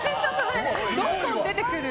どんどん出てくる。